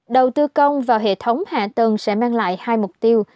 đầu tư công vào hệ thống hạ tầng sẽ mang lại hai mục tiêu